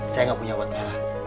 saya gak punya obat merah